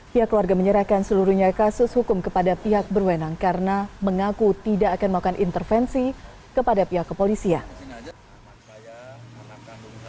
pihak keluarga menyerahkan seluruhnya kasus hukum kepada pihak berwenang karena mengaku tidak akan melakukan intervensi kepada pihak kepolisian